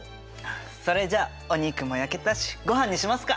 それじゃお肉も焼けたしごはんにしますか。